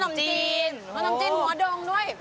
ขนมจีนขนมจีนหัวดงด้วย